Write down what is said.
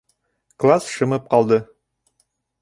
Класс шымып ҡалды.